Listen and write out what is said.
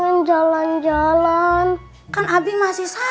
hanya sampai area herald bimbo itu menderita myanmar